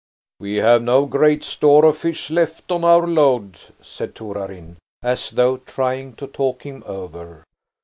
"We have no great store of fish left on our load," said Torarin, as though trying to talk him over.